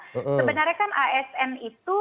sebenarnya kan asn itu